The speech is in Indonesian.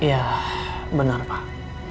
iya benar pak